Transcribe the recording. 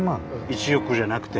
１億じゃなくて。